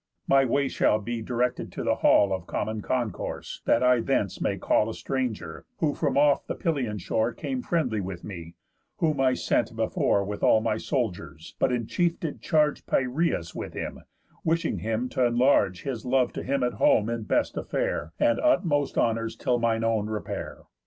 My way shall be directed to the hall Of common concourse, that I thence may call A stranger, who from off the Pylian shore Came friendly with me; whom I sent before With all my soldiers, but in chief did charge Piræus with him, wishing him t' enlarge His love to him at home, in best affair, And utmost honours, till mine own repair."